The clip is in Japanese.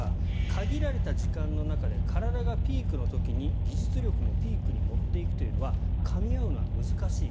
限られた時間の中で体がピークの時に技術力もピークに持っていくというのはかみ合うのが難しい。